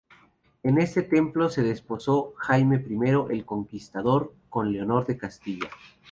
En este templo se desposó Jaime I el Conquistador con Leonor de Castilla.